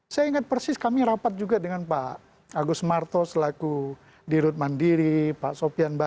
saya ingat persis kami rapat juga dengan pak agus marto selaku dirut mandiri pak sopian bajo